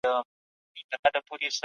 دولتونه د انسانانو په څېر عمر لري.